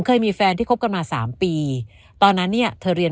เคยมีแฟนที่คบกันมาสามปีตอนนั้นเนี่ยเธอเรียน